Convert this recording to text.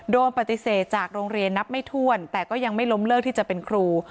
โดนปฏิเสธจากโรงเรียนนับไม่ถ้วนแต่ก็ยังไม่ล้มเลิกที่จะเป็นครู